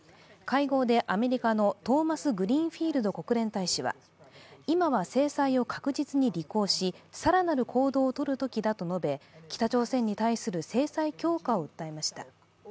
会合でアメリカのトーマスグリーンフィールド国連大使は、今は制裁を確実に履行し更なる行動をとるときだと述べ北朝鮮に対する制裁強化を訴えました。